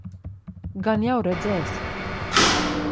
Gan jau redzēsi?